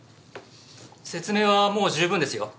説明はもう充分ですよ。